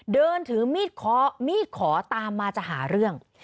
เดินถือมีดเคาะมีดขอตามมาจะหาเรื่อง